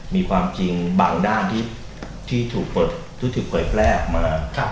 มีความจริงบางด้านที่ถูกเผยแพร่ออกมา